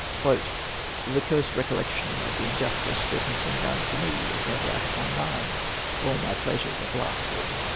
"The cursed recollection of the injustice that has been done to me is never out of my mind; all my pleasures are blasted!"